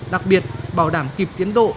đặc biệt bảo đảm kịp tiến độ